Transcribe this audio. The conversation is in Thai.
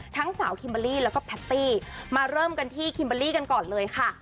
ทั้งสาวคิมเบอร์รี่แล้วก็แพตตี้มาเริ่มกันที่คิมเบอร์รี่กันก่อนเลยค่ะ